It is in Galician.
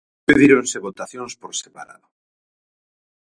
Pedíronse votacións por separado.